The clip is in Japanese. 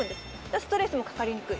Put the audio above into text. ストレスもかかりにくい。